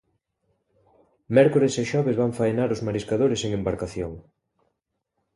Mércores e xoves van faenar os mariscadores en embarcación.